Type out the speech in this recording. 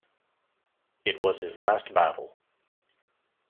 It was his last battle.